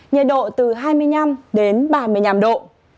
nhiệt độ từ hai mươi năm đến ba mươi năm độ